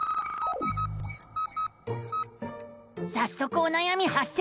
さっそくおなやみはっ生！